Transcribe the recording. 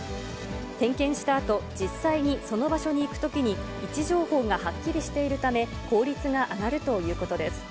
点検したあと、実際にその場所に行くときに位置情報がはっきりしているため、効率が上がるということです。